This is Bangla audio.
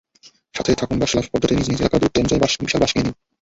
সঙ্গে থাকুনবাঁশলাফ পদ্ধতিনিজ নিজ এলাকার দূরত্ব অনুযায়ী বিশাল বাঁশ কিনে নিন।